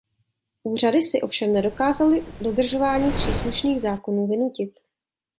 Úřady si ovšem nedokázaly dodržování příslušných zákonů vynutit.